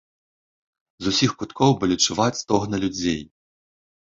З усіх куткоў былі чуваць стогны людзей.